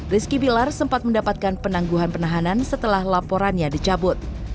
rizky bilar sempat mendapatkan penangguhan penahanan setelah laporannya dicabut